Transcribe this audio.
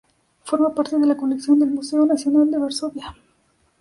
Forma parte de la colección del Museo Nacional de Varsovia.